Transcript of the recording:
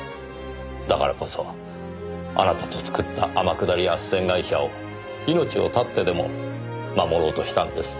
だからこそあなたと作った天下り斡旋会社を命を絶ってでも守ろうとしたんです。